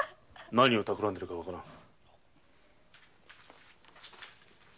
何をたくらんでいるかわからぬ。